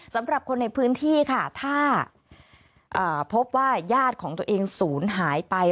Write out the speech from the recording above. สำหรับคนในพื้นที่ค่ะถ้าพบว่าญาติของตัวเองศูนย์หายไป